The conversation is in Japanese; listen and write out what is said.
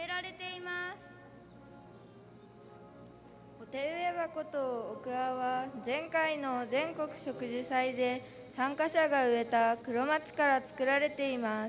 お手植え箱と、おくわは前回の全国植樹祭で参加者が植えたクロマツから作られています。